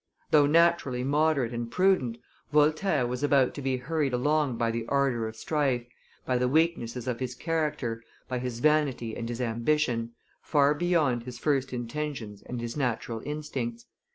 Though naturally moderate and prudent, Voltaire was about to be hurried along by the ardor of strife, by the weaknesses of his character, by his vanity and his ambition, far beyond his first intentions and his natural instincts.